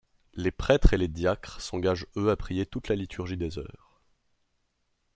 Les prêtres et les diacres s'engagent eux à prier toute la liturgie des Heures.